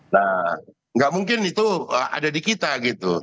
nah nggak mungkin itu ada di kita gitu